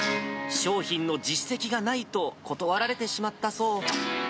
商品の実績がないと、断られてしまったそう。